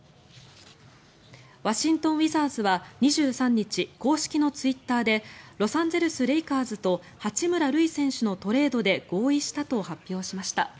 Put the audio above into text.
ワシントン・ウィザーズは２３日、公式のツイッターでロサンゼルス・レイカーズと八村塁選手のトレードで合意したと発表しました。